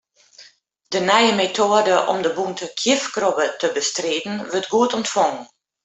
De nije metoade om de bûnte kjifkrobbe te bestriden, wurdt goed ûntfongen.